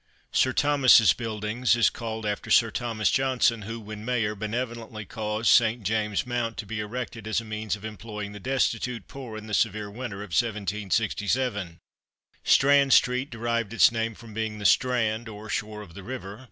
Sir Thomas's Buildings is called after Sir Thomas Johnson, who, when Mayor, benevolently caused St. James's Mount to be erected as a means of employing the destitute poor in the severe winter of 1767. Strand street derived its name from being the strand or shore of the river.